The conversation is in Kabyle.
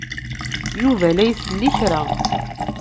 Yuba la isell i kra.